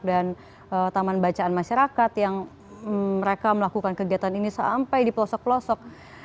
dan taman bacaan masyarakat yang mereka melakukan kegiatan ini sampai di pelosok pelosok